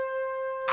あ！